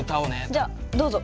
じゃあどうぞ。